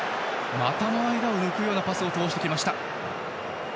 股の間を抜くようなパスを通しました。